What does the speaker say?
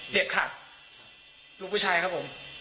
เจ็บขัดลูกผู้ชายครับผม